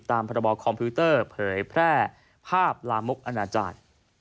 พรบคอมพิวเตอร์เผยแพร่ภาพลามกอนาจารย์